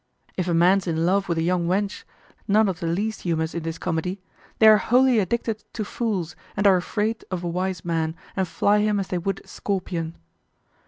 If a man's in love with a young wench, none of the least humors in this comedy, they are wholly addicted to fools and are afraid of a wise man and fly him as they would a scorpion.